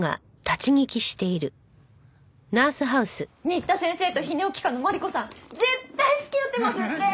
新田先生と泌尿器科のマリコさん絶対付き合ってますって！